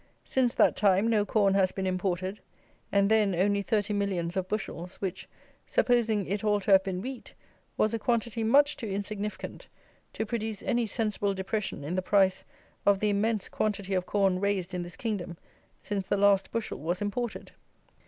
Since that time no corn has been imported, and then only thirty millions of bushels, which, supposing it all to have been wheat, was a quantity much too insignificant to produce any sensible depression in the price of the immense quantity of corn raised in this kingdom since the last bushel was imported.